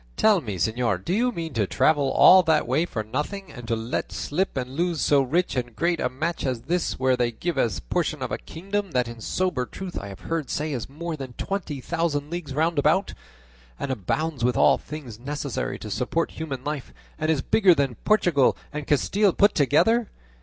"Tell me, señor, do you mean to travel all that way for nothing, and to let slip and lose so rich and great a match as this where they give as a portion a kingdom that in sober truth I have heard say is more than twenty thousand leagues round about, and abounds with all things necessary to support human life, and is bigger than Portugal and Castile put together?